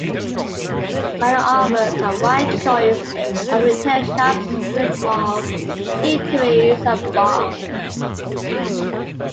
Vanier offers a wide choice of retail shops, strip malls, eateries, and bars.